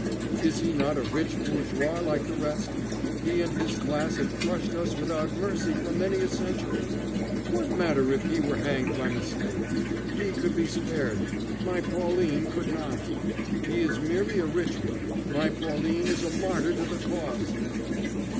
Is he not a rich bourgeois like the rest? He and his class have crushed us without mercy for many a century. What matter if he were hanged by mistake? He could be spared my Pauline could not. He is merely a rich one, my Pauline is a martyr to the cause!"